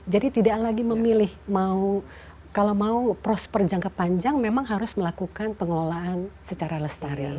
jadi tidak lagi memilih mau kalau mau prosper jangka panjang memang harus melakukan pengelolaan secara lestarian